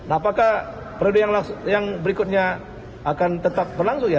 apakah periode yang berikutnya akan tetap berlangsung ya